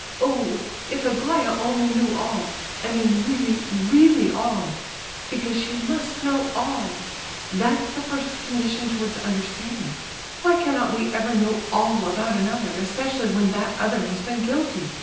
Oh! if Aglaya only knew all—I mean really, really all! Because she must know all—that's the first condition towards understanding. Why cannot we ever know all about another, especially when that other has been guilty?